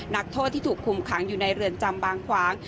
นักโทษที่ถูกคุมขังอยู่ในเรือนจำบางขวาง